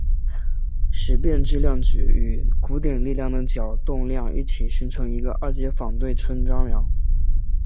时变质量矩与古典力学的角动量一起形成一个二阶反对称张量。